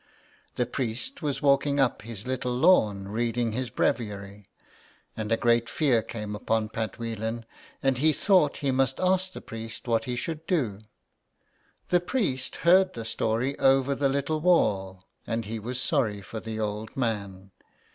The priest was walking up his little lawn reading his breviary, and a great fear came on Pat Phelan, and he thought he must ask the priest what he should do. The priest heard the story over the little wall, and he was sorry for the old man.